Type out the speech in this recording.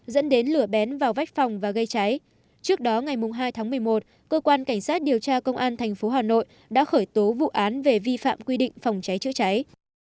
dẫn đến lửa bén vào vách phòng và gây cháy trước đó ngày hai tháng một mươi một cơ quan cảnh sát điều tra công an tp hà nội đã khởi tố vụ án về vi phạm quy định phòng cháy chữa cháy